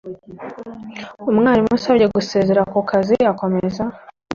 umwarimu usabye gusezera ku kazi akomeza